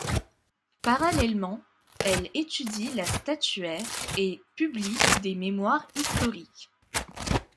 Parallèlement, elle étudie la statuaire et publie des mémoires historiques.